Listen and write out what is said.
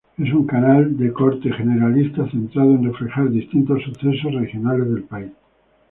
Es un canal de corte generalista, centrado en reflejar distintos eventos regionales del país.